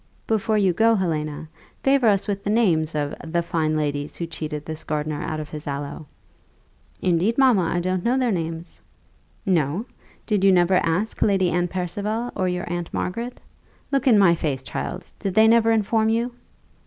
"Before you go, Helena, favour us with the names of the fine ladies who cheated this old gardener out of his aloe." "Indeed, mamma, I don't know their names." "No! Did you never ask Lady Anne Percival, or your aunt Margaret? Look in my face, child! Did they never inform you?"